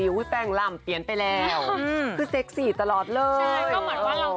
ก็ต้องเปลี่ยนเราก็ต้องแบบ